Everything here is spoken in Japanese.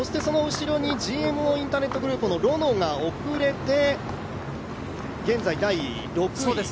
その後ろにＧＭＯインターネットグループのロノが送れて現在、第６位。